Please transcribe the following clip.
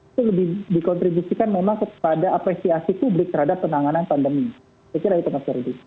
itu lebih dikontribusikan memang kepada apresiasi publik terhadap penanganan pandemi